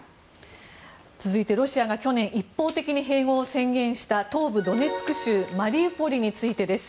続いて、ロシアが去年一方的に併合を宣言した東部ドネツク州マリウポリについてです。